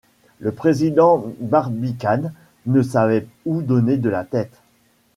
Le président Barbicane ne savait où donner de la tête.